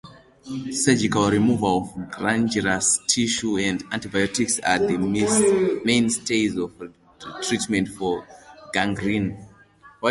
Surgical removal of gangrenous tissue and antibiotics are the mainstays of treatment for gangrene.